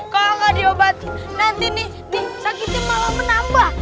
kalau nggak diobati nanti nih sakitnya malah menambah